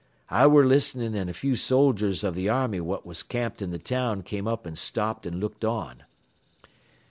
I ware listening an' a few soldiers av th' army what was camped in th' town came up an' stopped an' looked on.